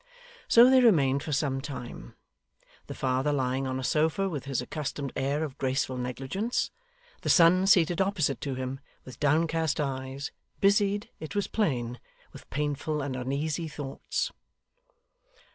So they remained for some time: the father lying on a sofa with his accustomed air of graceful negligence; the son seated opposite to him with downcast eyes, busied, it was plain, with painful and uneasy thoughts.